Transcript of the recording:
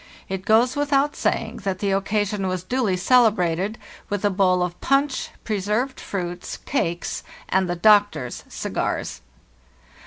It goes without saying that the occasion was duly celebrated with a bowl of punch, preserved fruits, cakes, and the doctor's cigars.